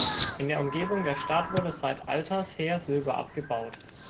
In der Umgebung der Stadt wurde seit Alters her Silber abgebaut.